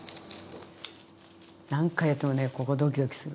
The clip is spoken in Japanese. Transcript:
何回やってもねここドキドキする。